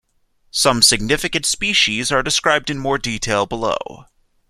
Some significant species are described in more detail below.